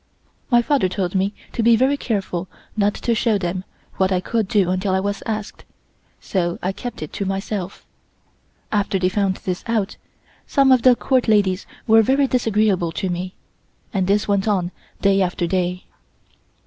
My father told me to be very careful not to show them what I could do until I was asked, so I kept it to myself. After they found this out, some of the Court ladies were very disagreeable to me, and this went on day after day.